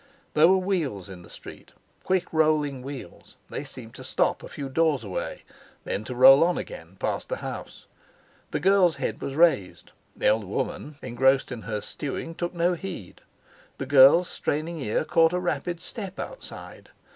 There were wheels in the street quick rolling wheels. They seemed to stop a few doors away, then to roll on again past the house. The girl's head was raised; the old woman, engrossed in her stewing, took no heed. The girl's straining ear caught a rapid step outside.